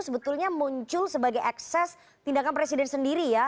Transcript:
sebetulnya muncul sebagai ekses tindakan presiden sendiri ya